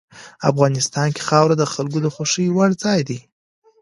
افغانستان کې خاوره د خلکو د خوښې وړ ځای دی.